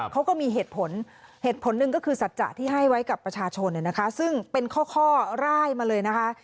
เขาก็มีเหตุผลเหตุผลหนึ่งก็คือสัจจะที่ให้ไว้กับประชาชนเนี่ยนะคะซึ่งเป็นข้อร่ายมาเลยนะคะ